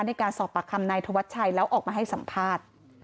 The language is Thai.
ในการสอบปากคำนายธวัชชัยแล้วออกมาให้สัมภาษณ์